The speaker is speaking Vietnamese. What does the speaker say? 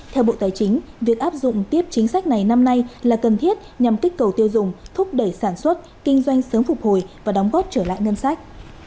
theo bộ tài chính việc áp dụng tiếp chính sách này năm nay là cần thiết nhằm kích cầu tiêu dùng thúc đẩy sản xuất kinh doanh sớm phục hồi và đóng góp trở lại ngân sách